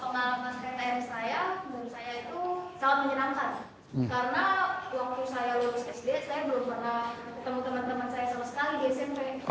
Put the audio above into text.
saya belum pernah ketemu teman teman saya sama sekali di smp